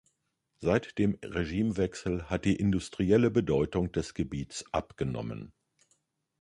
Seit dem Regimewechsel hat die industrielle Bedeutung des Gebiets abgenommen.